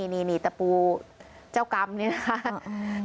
นี่ตะปูเจ้ากรรมนี่นะคะ